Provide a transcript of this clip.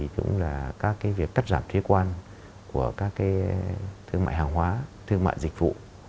các việc cắt giảm thiết quan của các thương mại hàng hóa thương mại dịch vụ